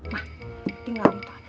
mah tinggal itu